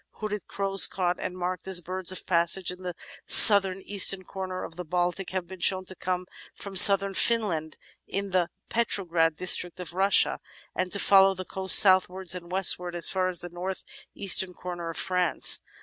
Hooded Crows caught and marked as birds of passage at the south eastern comer of the Baltic have been shown to come from Southern Finland and the Petrograd district of Russia, and to follow the coasts southwards and west wards as far as the north eastern comer of France.